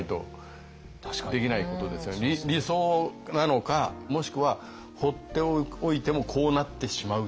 要はでも理想なのかもしくは放っておいてもこうなってしまうっていう。